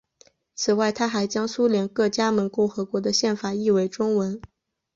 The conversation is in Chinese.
此外他还将苏联各加盟共和国的宪法译为中文。